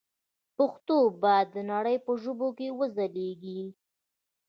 پښتو باید د نړۍ په ژبو کې وځلېږي.